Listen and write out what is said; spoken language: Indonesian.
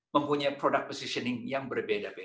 mempunyai posisi produk yang berbeda beda